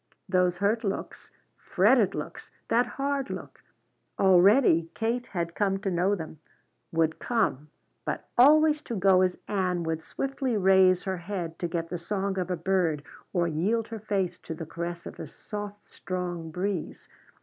Those hurt looks, fretted looks, that hard look, already Kate had come to know them, would come, but always to go as Ann would swiftly raise her head to get the song of a bird, or yield her face to the caress of a soft spring breeze.